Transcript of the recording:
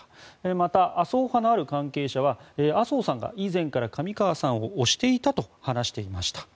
また、麻生派のある関係者は麻生さんが以前から上川さんを推していたと話していました。